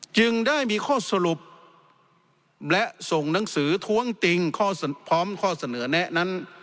จึงได้มีข้อสรุปและส่งหนังสือท้วงติงพร้อมข้อเสนอแนะนั้น